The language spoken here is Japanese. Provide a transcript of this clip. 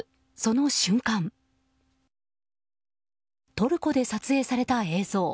トルコで撮影された映像。